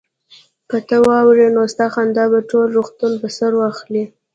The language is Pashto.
که ته واورې نو ستا خندا به ټول روغتون په سر واخلي